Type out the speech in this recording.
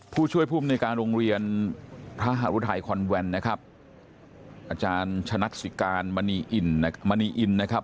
ผู้ช่วยผู้บริการโรงเรียนพระหรุทัยคอนแวนนะครับอาจารย์ชนัทศิการมณีอินนะครับ